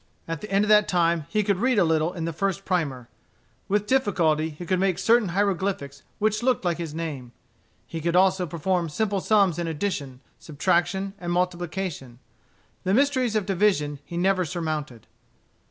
At the end of that time he could read a little in the first primer. With difficulty he could make certain hieroglyphics which looked like his name. He could also perform simple sums in addition, subtraction, and multiplication. The mysteries of division he never surmounted.